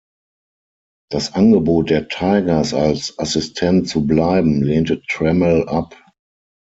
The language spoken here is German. Das Angebot der Tigers als Assistent zu bleiben lehnte Trammell ab.